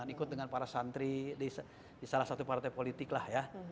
ikut dengan para santri di salah satu partai politik lah ya